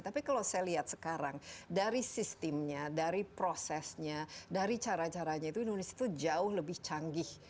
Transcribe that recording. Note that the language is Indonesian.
tapi kalau saya lihat sekarang dari sistemnya dari prosesnya dari cara caranya itu indonesia itu jauh lebih canggih